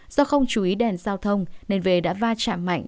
do không chú ý đèn giao thông nên về đã va chạm mạnh